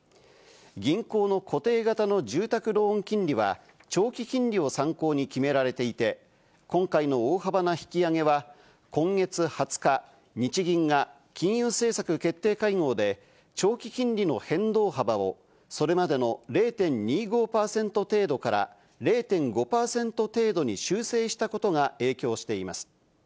銀行の固定型の住宅ローン金利は、長期金利を参考に決められていて、今回の大幅な引き上げは、今月２０日、日銀が金融政策決定会合で長期金利の変動幅を、それまでの０．２５％程度から０．５％程度に修正したことが影響しています。